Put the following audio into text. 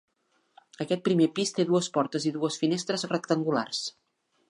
Aquest primer pis té dues portes i dues finestres rectangulars.